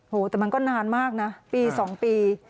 แต่มันก็นานมากนะปี๒ปี